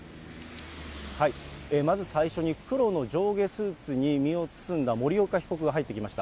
まず最初に、黒の上下スーツに身を包んだ森岡被告が入ってきました。